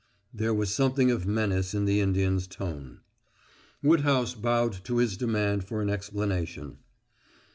There was something of menace in the Indian's tone. Woodhouse bowed to his demand for an explanation.